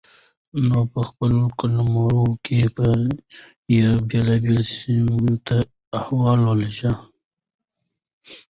نو په خپل قلمرو کې به يې بېلابېلو سيمو ته احوال ولېږه